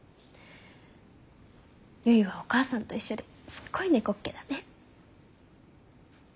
「結はお母さんと一緒ですっごい猫っ毛だね。